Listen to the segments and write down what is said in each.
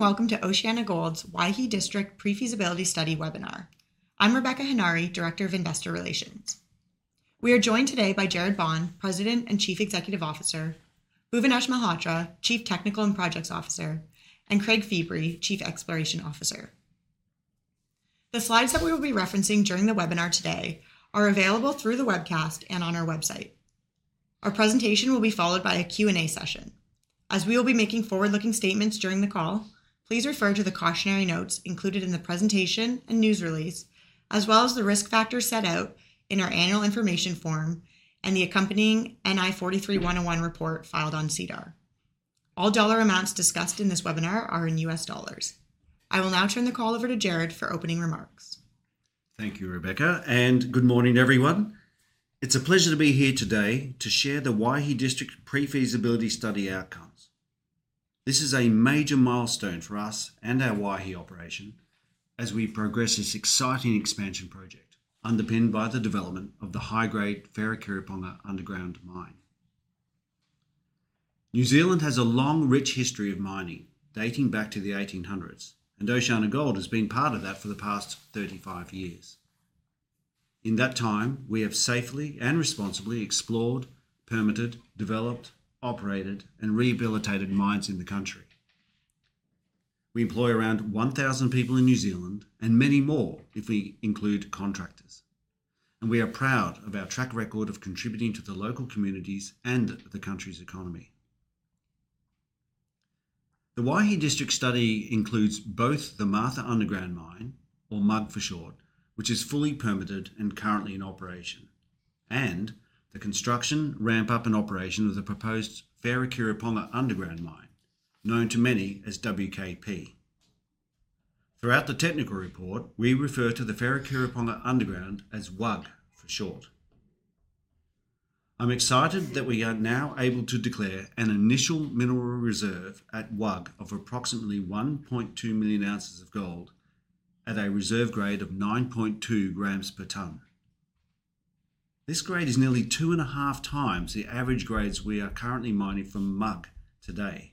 Welcome to OceanaGold's Waihi District Pre-Feasibility Study webinar. I'm Rebecca Henare, Director of Investor Relations. We are joined today by Gerard Bond, President and Chief Executive Officer, Bhuvanesh Malhotra, Chief Technical and Projects Officer, and Craig Feebrey, Chief Exploration Officer. The slides that we will be referencing during the webinar today are available through the webcast and on our website. Our presentation will be followed by a Q&A session. As we will be making forward-looking statements during the call, please refer to the cautionary notes included in the presentation and news release, as well as the risk factors set out in our Annual Information Form and the accompanying NI 43-101 report filed on SEDAR. All dollar amounts discussed in this webinar are in U.S. dollars. I will now turn the call over to Gerard for opening remarks. Thank you, Rebecca, and good morning, everyone. It's a pleasure to be here today to share the Waihi District Pre-Feasibility Study outcomes. This is a major milestone for us and our Waihi operation as we progress this exciting expansion project underpinned by the development of the high-grade Wharekirauponga Underground Mine. New Zealand has a long, rich history of mining dating back to the 1800s, and OceanaGold has been part of that for the past 35 years. In that time, we have safely and responsibly explored, permitted, developed, operated, and rehabilitated mines in the country. We employ around 1,000 people in New Zealand, and many more if we include contractors, and we are proud of our track record of contributing to the local communities and the country's economy. The Waihi District Study includes both the Martha Underground Mine, or MUG for short, which is fully permitted and currently in operation, and the construction, ramp-up, and operation of the proposed Wharekirauponga underground mine, known to many as WKP. Throughout the technical report, we refer to the Wharekirauponga underground as WUG for short. I'm excited that we are now able to declare an initial mineral reserve at WUG of approximately 1.2 million ounces of gold at a reserve grade of 9.2 grams per tonne. This grade is nearly two and a half times the average grades we are currently mining from MUG today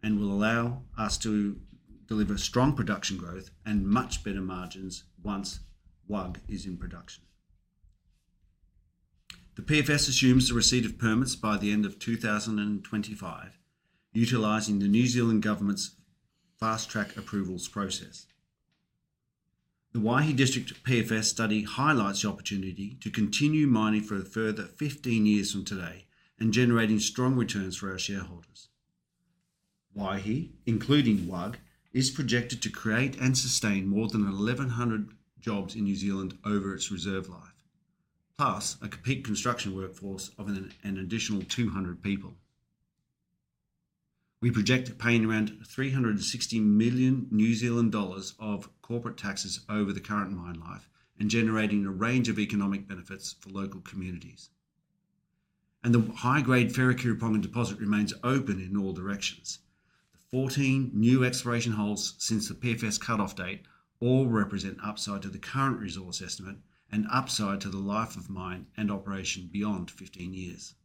and will allow us to deliver strong production growth and much better margins once WUG is in production. The PFS assumes the receipt of permits by the end of 2025, utilizing the New Zealand government's fast-track approvals process. The Waihi District PFS study highlights the opportunity to continue mining for a further 15 years from today and generating strong returns for our shareholders. Waihi, including WUG, is projected to create and sustain more than 1,100 jobs in New Zealand over its reserve life, plus a complete construction workforce of an additional 200 people. We project paying around 360 million New Zealand dollars of corporate taxes over the current mine life and generating a range of economic benefits for local communities, and the high-grade Wharekirauponga deposit remains open in all directions. The 14 new exploration holes since the PFS cutoff date all represent upside to the current resource estimate and upside to the life of mine and operation beyond 15 years.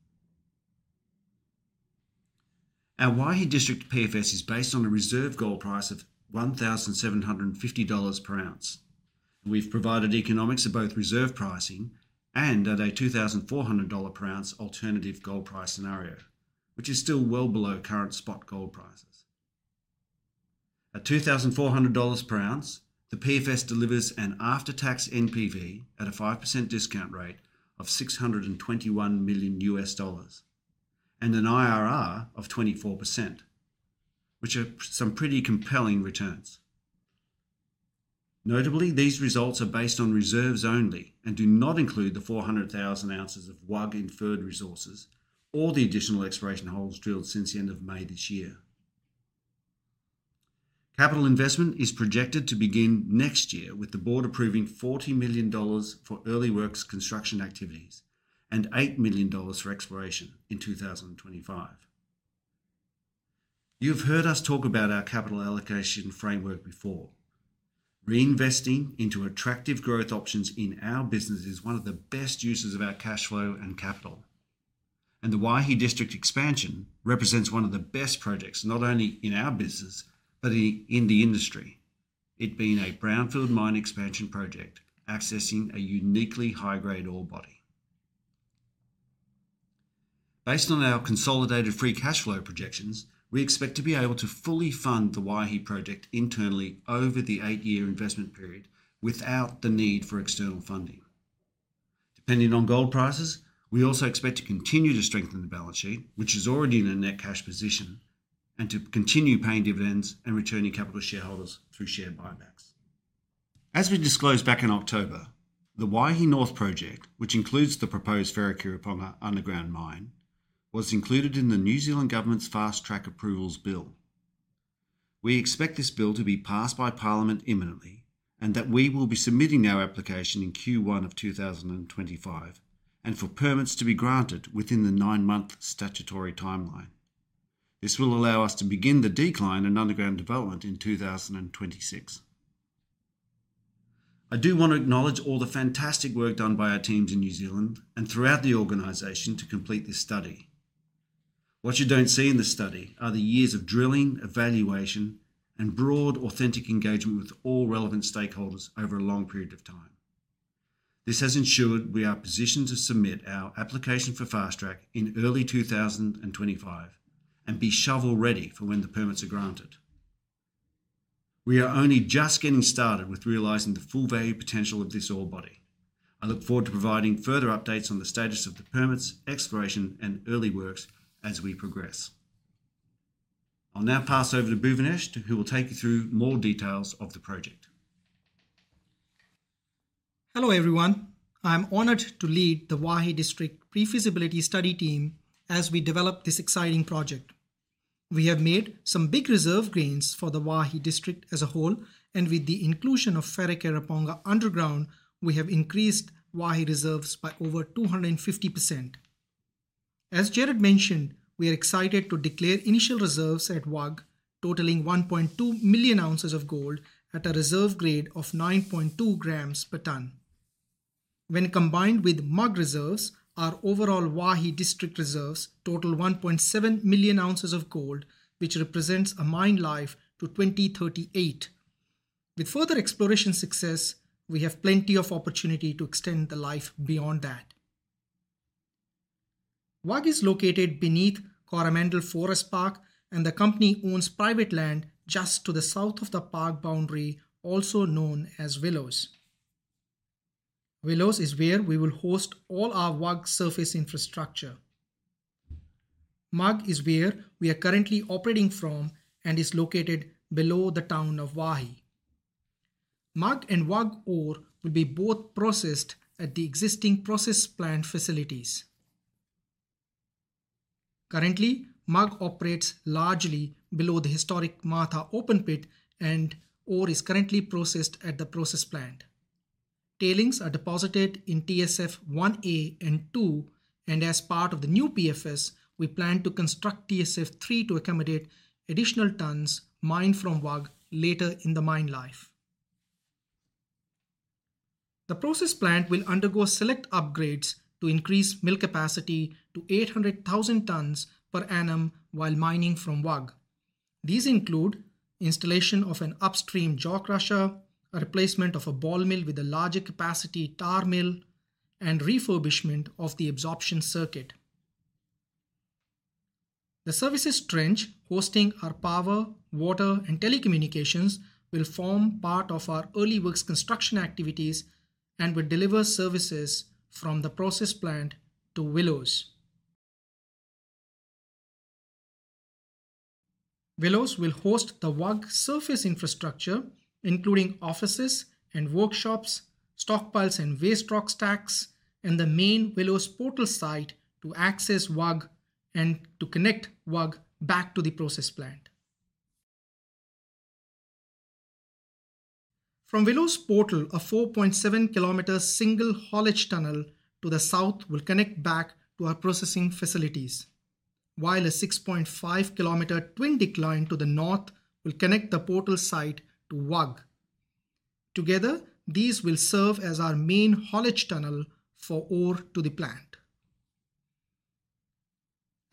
Our Waihi District PFS is based on a reserve gold price of $1,750 per ounce. We've provided economics of both reserve pricing and at a $2,400 per ounce alternative gold price scenario, which is still well below current spot gold prices. At $2,400 per ounce, the PFS delivers an after-tax NPV at a 5% discount rate of $621 million and an IRR of 24%, which are some pretty compelling returns. Notably, these results are based on reserves only and do not include the 400,000 ounces of WUG-inferred resources or the additional exploration holes drilled since the end of May this year. Capital investment is projected to begin next year with the board approving $40 million for early works construction activities and $8 million for exploration in 2025. You have heard us talk about our capital allocation framework before. Reinvesting into attractive growth options in our business is one of the best uses of our cash flow and capital, and the Waihi District expansion represents one of the best projects not only in our business but in the industry, it being a brownfield mine expansion project accessing a uniquely high-grade ore body. Based on our consolidated free cash flow projections, we expect to be able to fully fund the Waihi project internally over the eight-year investment period without the need for external funding. Depending on gold prices, we also expect to continue to strengthen the balance sheet, which is already in a net cash position, and to continue paying dividends and returning capital to shareholders through share buybacks. As we disclosed back in October, the Waihi North Project, which includes the proposed Wharekirauponga underground mine, was included in the New Zealand government's Fast-track Approvals Bill. We expect this bill to be passed by Parliament imminently and that we will be submitting our application in Q1 of 2025 and for permits to be granted within the nine-month statutory timeline. This will allow us to begin the decline and underground development in 2026. I do want to acknowledge all the fantastic work done by our teams in New Zealand and throughout the organization to complete this study. What you don't see in the study are the years of drilling, evaluation, and broad, authentic engagement with all relevant stakeholders over a long period of time. This has ensured we are positioned to submit our application for fast-track in early 2025 and be shovel-ready for when the permits are granted. We are only just getting started with realizing the full value potential of this ore body. I look forward to providing further updates on the status of the permits, exploration, and early works as we progress. I'll now pass over to Bhuvanesh, who will take you through more details of the project. Hello everyone. I'm honored to lead the Waihi District Pre-Feasibility Study team as we develop this exciting project. We have made some big reserve gains for the Waihi District as a whole, and with the inclusion of Wharekirauponga underground, we have increased Waihi reserves by over 250%. As Gerard mentioned, we are excited to declare initial reserves at WUG totaling 1.2 million ounces of gold at a reserve grade of 9.2 grams per tonne. When combined with MUG reserves, our overall Waihi District reserves total 1.7 million ounces of gold, which represents a mine life to 2038. With further exploration success, we have plenty of opportunity to extend the life beyond that. WUG is located beneath Coromandel Forest Park, and the company owns private land just to the south of the park boundary, also known as Willows. Willows is where we will host all our WUG surface infrastructure. MUG is where we are currently operating from and is located below the town of Waihi. MUG and WUG ore will be both processed at the existing process plant facilities. Currently, MUG operates largely below the historic Martha open pit, and ore is currently processed at the process plant. Tailings are deposited in TSF 1A and 2, and as part of the new PFS, we plan to construct TSF 3 to accommodate additional tons mined from WUG later in the mine life. The process plant will undergo select upgrades to increase mill capacity to 800,000 tons per annum while mining from WUG. These include installation of an upstream jaw crusher, a replacement of a ball mill with a larger capacity SAG mill, and refurbishment of the absorption circuit. The services trench hosting our power, water, and telecommunications will form part of our early works construction activities and will deliver services from the process plant to Willows. Willows will host the WUG surface infrastructure, including offices and workshops, stockpiles and waste rock stacks, and the main Willows portal site to access WUG and to connect WUG back to the process plant. From Willows portal, a 4.7 km single-haulage tunnel to the south will connect back to our processing facilities, while a 6.5 km twin decline to the north will connect the portal site to WUG. Together, these will serve as our main haulage tunnel for ore to the plant.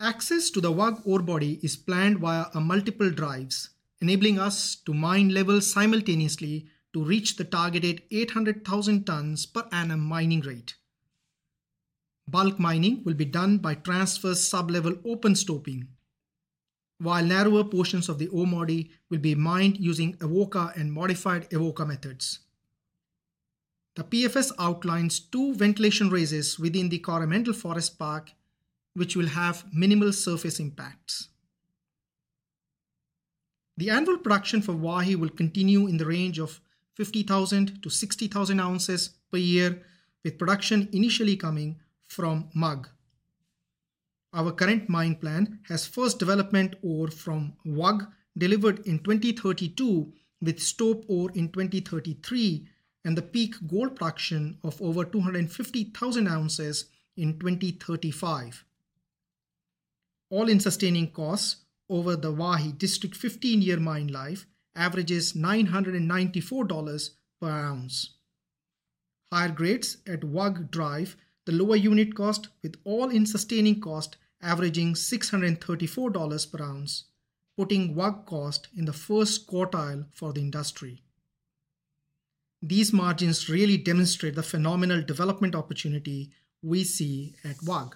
Access to the WUG ore body is planned via multiple drives, enabling us to mine level simultaneously to reach the targeted 800,000 tons per annum mining rate. Bulk mining will be done by transverse sub-level open stoping, while narrower portions of the ore body will be mined using Evoca and modified Evoca methods. The PFS outlines two ventilation raises within the Coromandel Forest Park, which will have minimal surface impacts. The annual production for Waihi will continue in the range of 50,000 ounces-60,000 ounces per year, with production initially coming from MUG. Our current mine plan has first development ore from WUG delivered in 2032, with stope ore in 2033, and the peak gold production of over 250,000 ounces in 2035. All-In Sustaining Costs over the Waihi District 15-year mine life averages $994 per ounce. Higher grades at WUG drive the lower unit cost, with All-In Sustaining Cost averaging $634 per ounce, putting WUG cost in the first quartile for the industry. These margins really demonstrate the phenomenal development opportunity we see at WUG.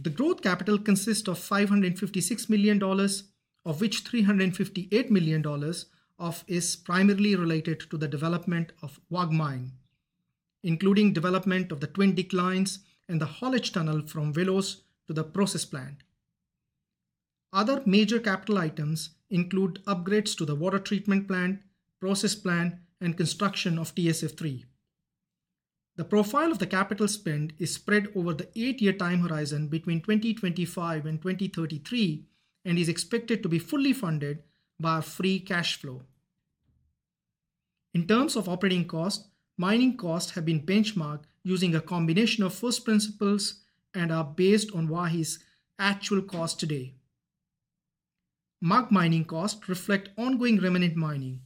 The growth capital consists of $556 million, of which $358 million is primarily related to the development of WUG mine, including development of the twin declines and the haulage tunnel from Willows to the process plant. Other major capital items include upgrades to the water treatment plant, process plant, and construction of TSF 3. The profile of the capital spend is spread over the eight-year time horizon between 2025 and 2033 and is expected to be fully funded by free cash flow. In terms of operating costs, mining costs have been benchmarked using a combination of first principles and are based on Waihi's actual cost today. MUG mining costs reflect ongoing remnant mining.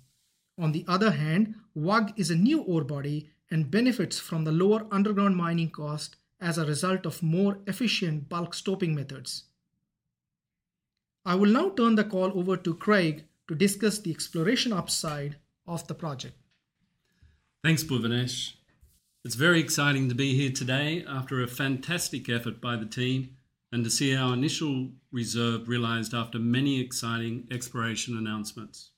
On the other hand, WUG is a new ore body and benefits from the lower underground mining cost as a result of more efficient bulk stoping methods. I will now turn the call over to Craig to discuss the exploration upside of the project. Thanks, Bhuvanesh. It's very exciting to be here today after a fantastic effort by the team and to see our initial reserve realized after many exciting exploration announcements.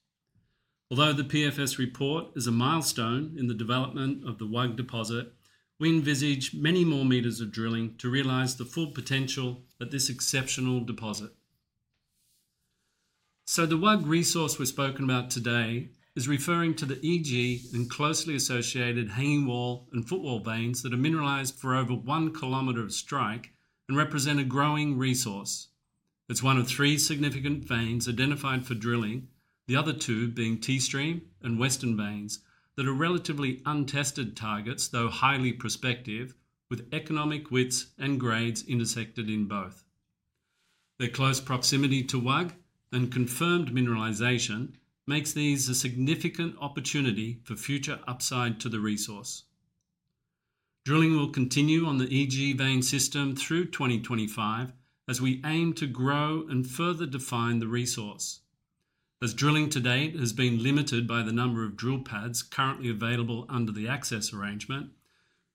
Although the PFS report is a milestone in the development of the WUG deposit, we envisage many more meters of drilling to realize the full potential of this exceptional deposit. So the WUG resource we're spoken about today is referring to the EG and closely associated Hanging Wall and Footwall veins that are mineralized for over one kilometer of strike and represent a growing resource. It's one of three significant veins identified for drilling, the other two being T-Stream and Western Veins that are relatively untested targets, though highly prospective, with economic widths and grades intersected in both. Their close proximity to WUG and confirmed mineralization makes these a significant opportunity for future upside to the resource. Drilling will continue on the EG vein system through 2025 as we aim to grow and further define the resource. As drilling to date has been limited by the number of drill pads currently available under the access arrangement,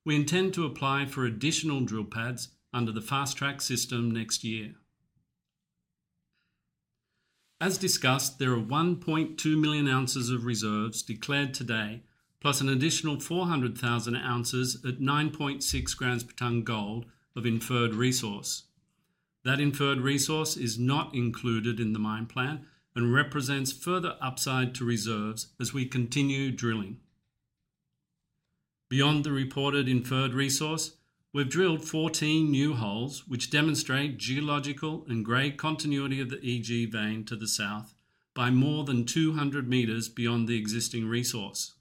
we intend to apply for additional drill pads under the fast-track system next year. As discussed, there are 1.2 million ounces of reserves declared today, plus an additional 400,000 ounces at 9.6 grams per tonne gold of inferred resource. That inferred resource is not included in the mine plan and represents further upside to reserves as we continue drilling. Beyond the reported inferred resource, we've drilled 14 new holes, which demonstrate geological and grade continuity of the EG vein to the south by more than 200 meters beyond the existing resource.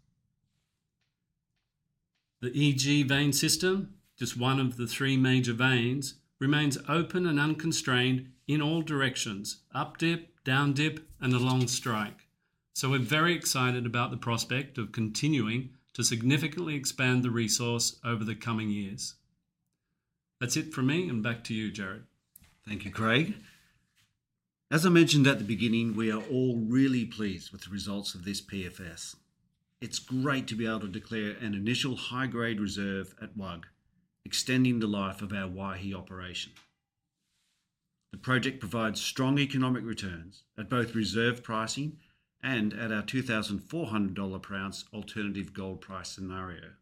The EG vein system, just one of the three major veins, remains open and unconstrained in all directions: updip, downdip, and along strike. So we're very excited about the prospect of continuing to significantly expand the resource over the coming years. That's it from me and back to you, Gerard. Thank you, Craig. As I mentioned at the beginning, we are all really pleased with the results of this PFS. It's great to be able to declare an initial high-grade reserve at WUG, extending the life of our Waihi operation. The project provides strong economic returns at both reserve pricing and at our $2,400 per ounce alternative gold price scenario.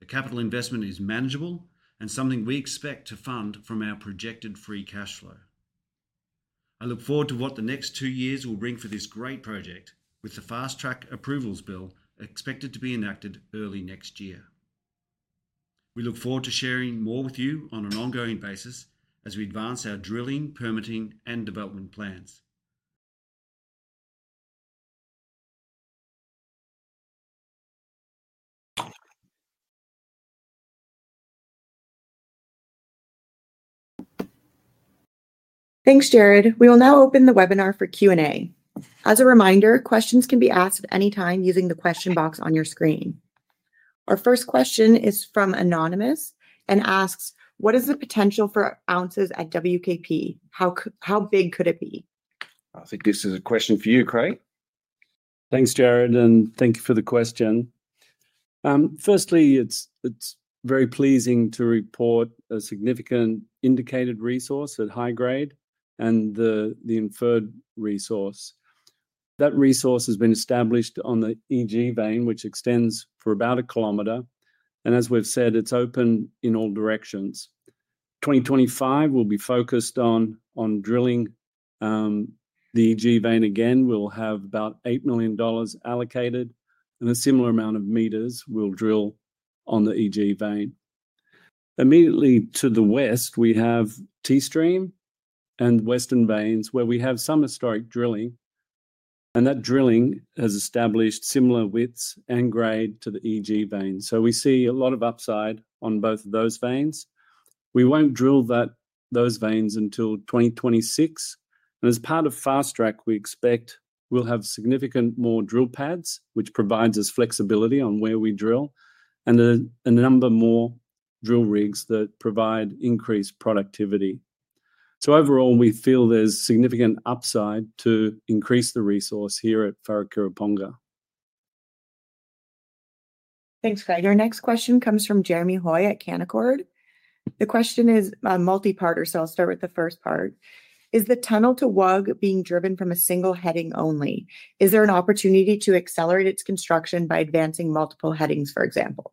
The capital investment is manageable and something we expect to fund from our projected free cash flow. I look forward to what the next two years will bring for this great project, with the Fast-track Approvals Bill expected to be enacted early next year. We look forward to sharing more with you on an ongoing basis as we advance our drilling, permitting, and development plans. Thanks, Gerard. We will now open the webinar for Q&A. As a reminder, questions can be asked at any time using the question box on your screen. Our first question is from Anonymous and asks, "What is the potential for ounces at WKP? How big could it be? I think this is a question for you, Craig. Thanks, Gerard, and thank you for the question. Firstly, it's very pleasing to report a significant indicated resource at high grade and the inferred resource. That resource has been established on the EG vein, which extends for about a kilometer. As we've said, it's open in all directions. 2025 will be focused on drilling the EG vein again. We'll have about $8 million allocated, and a similar amount of meters will drill on the EG vein. Immediately to the west, we have T-Stream and Western Veins where we have some historic drilling, and that drilling has established similar widths and grade to the EG vein. So we see a lot of upside on both of those veins. We won't drill those veins until 2026. As part of fast-track, we expect we'll have significant more drill pads, which provides us flexibility on where we drill, and a number more drill rigs that provide increased productivity. Overall, we feel there's significant upside to increase the resource here at Wharekirauponga. Thanks, Craig. Our next question comes from Jeremy Hoy at Canaccord. The question is multi-part. So I'll start with the first part. Is the tunnel to WUG being driven from a single heading only? Is there an opportunity to accelerate its construction by advancing multiple headings, for example?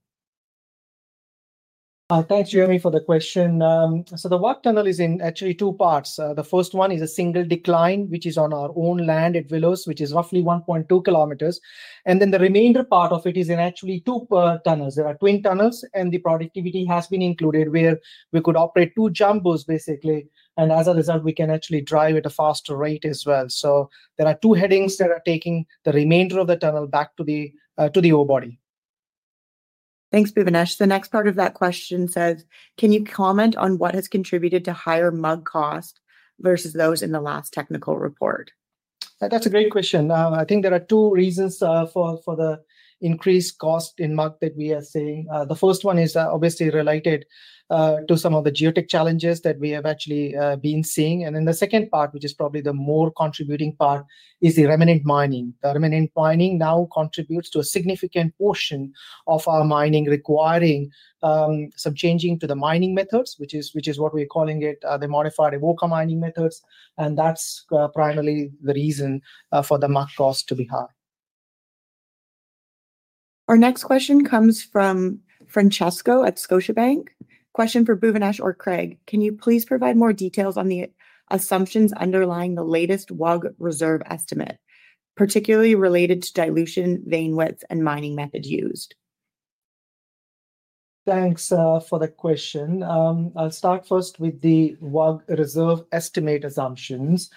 Thanks, Jeremy, for the question. So the WUG tunnel is in actually two parts. The first one is a single decline, which is on our own land at Willows, which is roughly 1.2 km. And then the remainder part of it is in actually two tunnels. There are twin tunnels, and the productivity has been included where we could operate two jumbos, basically. And as a result, we can actually drive at a faster rate as well. So there are two headings that are taking the remainder of the tunnel back to the ore body. Thanks, Bhuvanesh. The next part of that question says, "Can you comment on what has contributed to higher MUG cost versus those in the last technical report?" That's a great question. I think there are two reasons for the increased cost in MUG that we are seeing. The first one is obviously related to some of the geotech challenges that we have actually been seeing. And then the second part, which is probably the more contributing part, is the remnant mining. The remnant mining now contributes to a significant portion of our mining requiring some changing to the mining methods, which is what we're calling the modified Evoca mining methods. And that's primarily the reason for the MUG cost to be high. Our next question comes from Francesco at Scotiabank. Question for Bhuvanesh or Craig. Can you please provide more details on the assumptions underlying the latest WUG reserve estimate, particularly related to dilution, vein width, and mining method used? Thanks for the question. I'll start first with the WUG reserve estimate assumptions,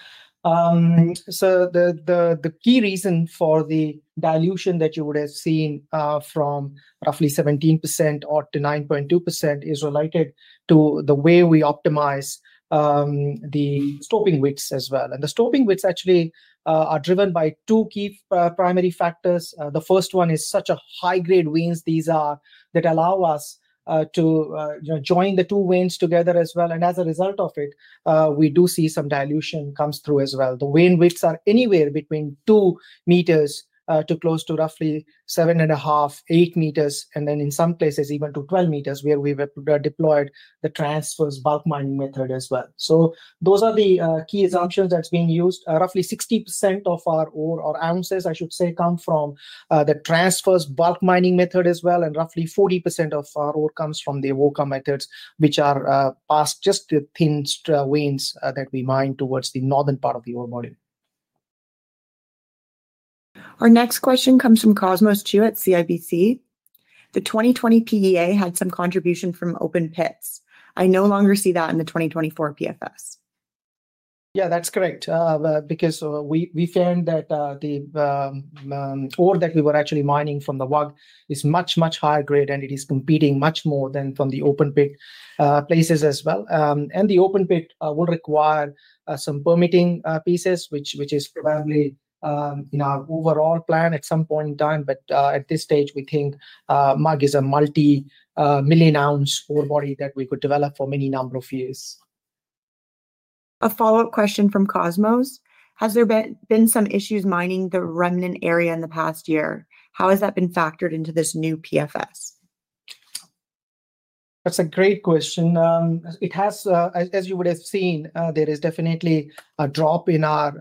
so the key reason for the dilution that you would have seen from roughly 17% up to 9.2% is related to the way we optimize the stoping widths as well. And the stoping widths actually are driven by two key primary factors. The first one is such high-grade veins that allow us to join the two veins together as well, and as a result of it, we do see some dilution come through as well. The vein widths are anywhere between two meters to close to roughly seven and a half, eight meters, and then in some places even to 12 meters where we have deployed the transverse bulk mining method as well. So those are the key assumptions that are being used. Roughly 60% of our ore or ounces, I should say, come from the transverse bulk mining method as well, and roughly 40% of our ore comes from the Evoca methods, which are for just the thinnest veins that we mine towards the northern part of the ore body. Our next question comes from Cosmos Chiu at CIBC. "The 2020 PEA had some contribution from open pits. I no longer see that in the 2024 PFS." Yeah, that's correct because we found that the ore that we were actually mining from the WUG is much, much higher grade, and it is competing much more than from the open pit phases as well. And the open pit will require some permitting pieces, which is probably in our overall plan at some point in time. But at this stage, we think MUG is a multi-million ounce ore body that we could develop for many number of years. A follow-up question from Cosmos. Has there been some issues mining the remnant area in the past year? How has that been factored into this new PFS? That's a great question. It has, as you would have seen, there is definitely a drop in our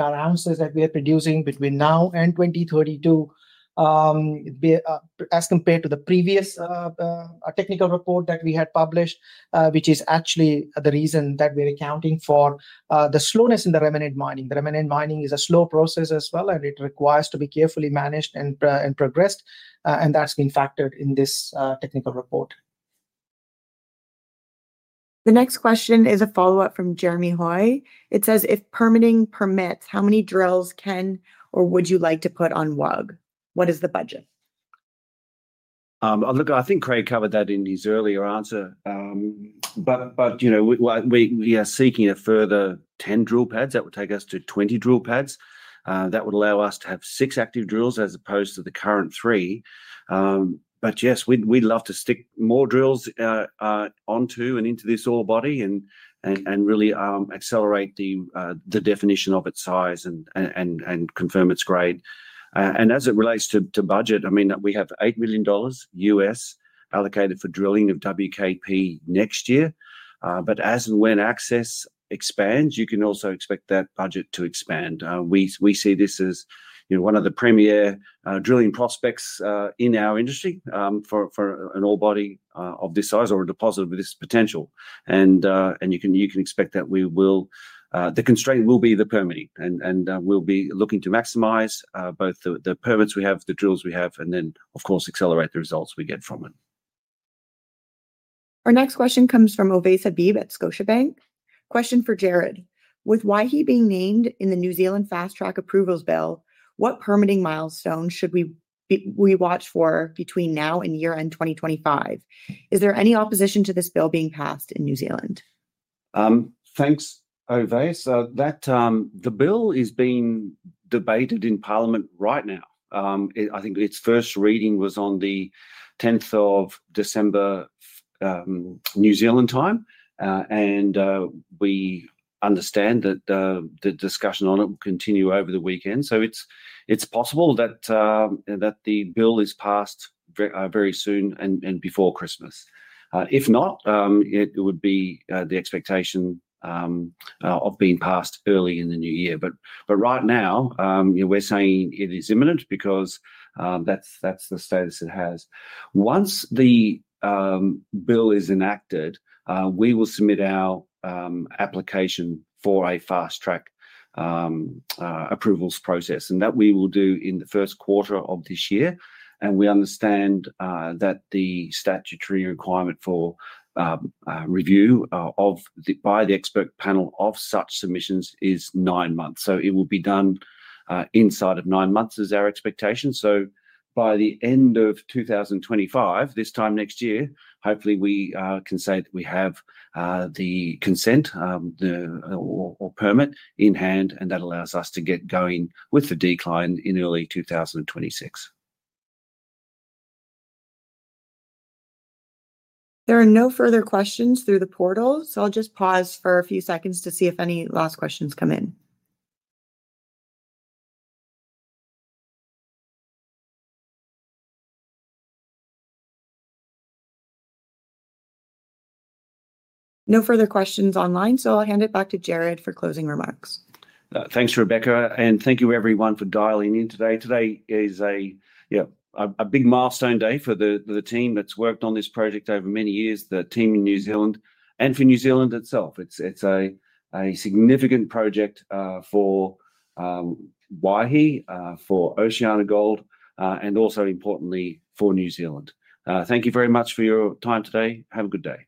ounces that we are producing between now and 2032 as compared to the previous technical report that we had published, which is actually the reason that we're accounting for the slowness in the remnant mining. The remnant mining is a slow process as well, and it requires to be carefully managed and progressed, and that's been factored in this technical report. The next question is a follow-up from Jeremy Hoy. It says, "If permitting permits, how many drills can or would you like to put on WUG? What is the budget?" I think Craig covered that in his earlier answer. But we are seeking a further 10 drill pads. That would take us to 20 drill pads. That would allow us to have six active drills as opposed to the current three. But yes, we'd love to stick more drills onto and into this ore body and really accelerate the definition of its size and confirm its grade. And as it relates to budget, I mean, we have $8 million USD allocated for drilling of WKP next year. But as and when access expands, you can also expect that budget to expand. We see this as one of the premier drilling prospects in our industry for an ore body of this size or a deposit with this potential. And you can expect that the constraint will be the permitting. We'll be looking to maximize both the permits we have, the drills we have, and then, of course, accelerate the results we get from it. Our next question comes from Ovais Habib at Scotiabank. Question for Gerard Bond. With Waihi being named in the New Zealand Fast-track Approvals Bill, what permitting milestones should we watch for between now and year-end 2025? Is there any opposition to this bill being passed in New Zealand? Thanks, Ovais. The bill is being debated in Parliament right now. I think its first reading was on the 10th of December New Zealand time. We understand that the discussion on it will continue over the weekend. It's possible that the bill is passed very soon and before Christmas. If not, it would be the expectation of being passed early in the new year. Right now, we're saying it is imminent because that's the status it has. Once the bill is enacted, we will submit our application for a fast-track approvals process. We will do that in the first quarter of this year. We understand that the statutory requirement for review by the expert panel of such submissions is nine months. It will be done inside of nine months is our expectation. By the end of 2025, this time next year, hopefully we can say that we have the consent or permit in hand, and that allows us to get going with the decline in early 2026. There are no further questions through the portal. So I'll just pause for a few seconds to see if any last questions come in. No further questions online. So I'll hand it back to Gerard for closing remarks. Thanks, Rebecca. And thank you, everyone, for dialing in today. Today is a big milestone day for the team that's worked on this project over many years, the team in New Zealand, and for New Zealand itself. It's a significant project for Waihi, for OceanaGold, and also, importantly, for New Zealand. Thank you very much for your time today. Have a good day.